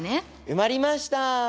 埋まりました。